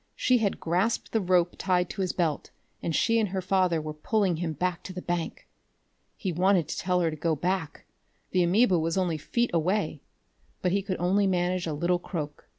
She had grasped the rope tied to his belt, and she and her father were pulling him back to the bank! He wanted to tell her to go back the amoeba was only feet away but he could only manage a little croak.